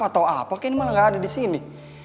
atau apa kayanya malah gak ada di sini